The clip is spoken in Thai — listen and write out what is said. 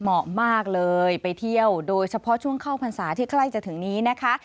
เหมาะมากเลยไปเที่ยวโดยเฉพาะช่วงเข้าพรรษาที่ใกล้จะถึงนี้นะคะ